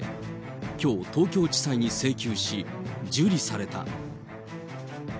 きょう、東京地裁に請求し、受理された。